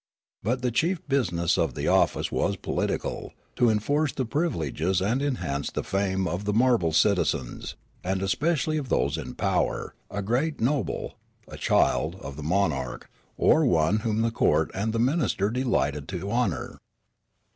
But the chief business of the office was political, to en force the privileges and enhance the fame of the marble citizens, and especially of those in power — a great noble, a child of the monarch, or one whom the court and the minister delighted to honour.